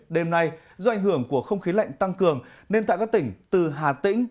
đêm nay do ảnh hưởng của không khí lạnh tăng cường nên tại các tỉnh từ hà tĩnh